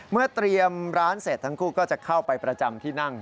เมื่อเตรียมร้านเสร็จทั้งคู่ก็จะเข้าไปประจำที่นั่ง